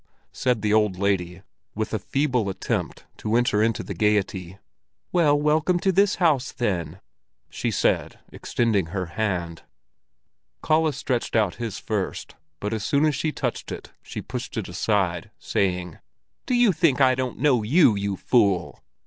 said the old lady, with a feeble attempt to enter into the gaiety. "Well, welcome to this house then," she said, extending her hand. Kalle stretched his out first, but as soon as she touched it, she pushed it aside, saying: "Do you think I don't know you, you fool?"